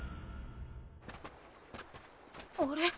あれ？